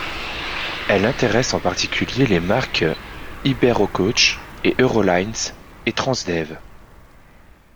Elle intéresse en particulier les marques Iberocoach et Eurolines et Transdev.